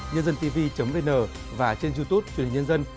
nhân dântv vn và trên youtube chương trình nhân dân